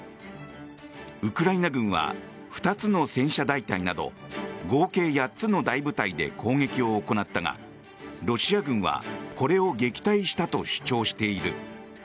ウクライナ軍は２つの戦車大隊など合計８つの大部隊で攻撃を行ったがロシア軍はこれを撃退したと主張している。